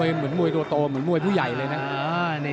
เหมือนมวยตัวโตเหมือนมวยผู้ใหญ่เลยนะ